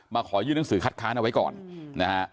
มาขอยื่นหนังสือคัดค้าเอาไว้ก่อน